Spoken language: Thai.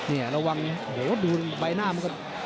นี่ระวังโอ้โหดูใบหน้ามันก็